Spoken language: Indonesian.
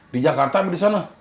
di jakarta apa di sana